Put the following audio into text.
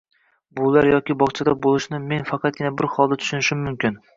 buvilar yoki bog‘chada bo‘lishini men faqatgina bir holda tushunishim mumkin